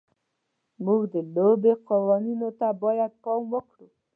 موږ د لوبې قوانینو ته باید پام وکړو.